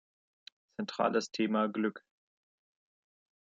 Zentrales Thema „Glück“.